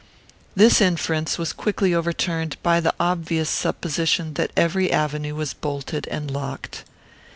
This inference was quickly overturned by the obvious supposition that every avenue was bolted and locked.